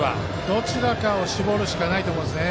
どちらかを絞るしかないと思います。